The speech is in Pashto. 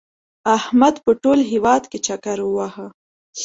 احمد په ټول هېواد کې چکر ووهه.